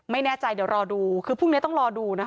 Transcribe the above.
ไม่แน่ใจเดี๋ยวรอดูคือพรุ่งนี้ต้องรอดูนะคะ